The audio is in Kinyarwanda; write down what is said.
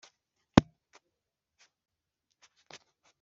umugaragu we agenda mu mwijima